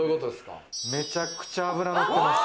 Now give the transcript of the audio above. めちゃくちゃ脂のってます。